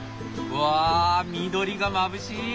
わあ緑がまぶしい。